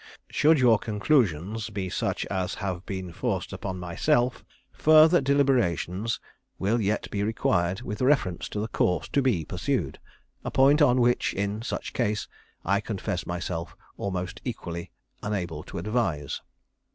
"Should your conclusions be such as have been forced upon myself, further deliberation will yet be required with reference to the course to be pursued; a point on which, in such case, I confess myself almost equally unable to advise.